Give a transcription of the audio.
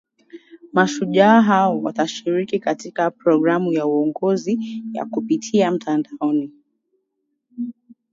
mashujaa hao watashiriki katika programu ya uongozi ya kupitia mtandaoni